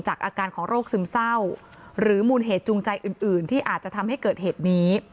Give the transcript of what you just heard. อาการของโรคซึมเศร้าหรือมูลเหตุจูงใจอื่นที่อาจจะทำให้เกิดเหตุนี้